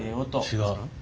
違う。